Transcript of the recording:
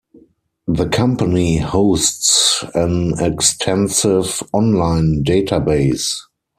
The company hosts an extensive online database.